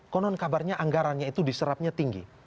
konon kabarnya anggarannya itu diserapnya tinggi